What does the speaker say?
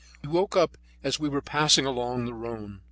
We woke up as we were passing along the Rhone.